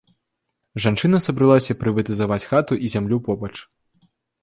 Жанчына сабралася прыватызаваць хату і зямлю побач.